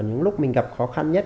những lúc mình gặp khó khăn nhất